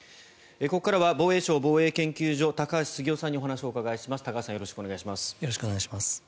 ここからは防衛省防衛研究所高橋杉雄さんにお話をお伺いします。